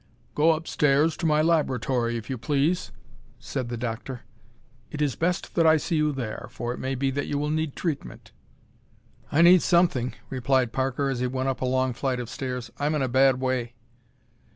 "Go upstairs to my laboratory, if you please," said the doctor. "It is best that I see you there, for it may be that you will need treatment." "I need something," replied Parker as he went up a long flight of stairs. "I'm in a bad way."